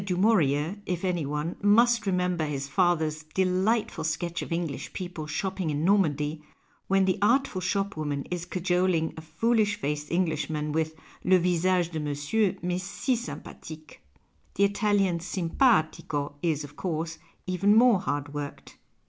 du Muurier, if any one, must remember his father's delightful sketch of English people shopping in Normandy, when the artful shopwoman is cajoling a foolish faced Englishman with " le visage dc monsieur m'est si sympathique." The Italian s'nnpaiico is, of course, even more hard worked.